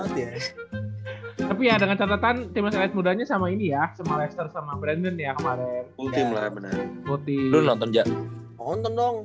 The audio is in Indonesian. tapi ada catatan mudanya sama ini ya sama sama brandon ya kemarin